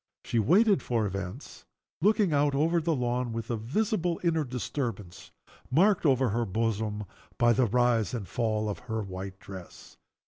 She waited for events, looking out over the lawn, with a visible inner disturbance, marked over the bosom by the rise and fall of her white dress.